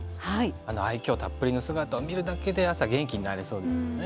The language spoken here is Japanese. あの愛嬌たっぷりの姿を見るだけで朝、元気になれそうですよね。